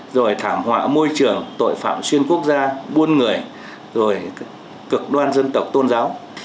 mạng môi trường tội phạm xuyên quốc gia buôn người rồi cực đoan dân tộc tôn giáo